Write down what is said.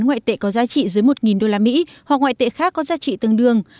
ngoại tệ có giá trị dưới một usd hoặc ngoại tệ khác có giá trị tương đương